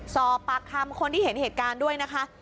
สอบปากคำคนที่เห็นเหตุการณ์ด้วยนะคะ